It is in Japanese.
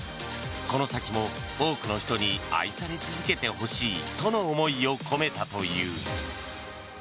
この先も多くの人に愛され続けてほしいとの思いを込めたという。